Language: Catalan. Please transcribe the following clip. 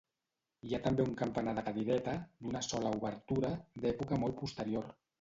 Hi ha també un campanar de cadireta, d'una sola obertura, d'època molt posterior.